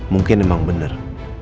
mungkin emang bener